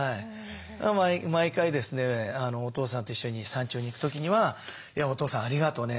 毎回ですねお父さんと一緒に山頂に行く時には「お父さんありがとね。